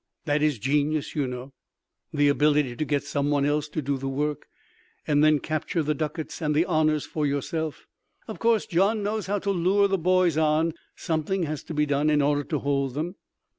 That is genius, you know, the ability to get some one else to do the work, and then capture the ducats and the honors for yourself. Of course, Gian knows how to lure the boys on—something has to be done in order to hold them.